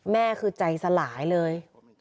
แม่คือใจสลายเลย